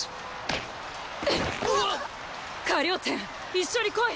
一緒に来い！